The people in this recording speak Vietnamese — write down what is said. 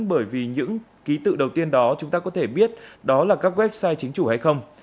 bởi vì những ký tự đầu tiên đó chúng ta có thể biết đó là các website chính chủ hay không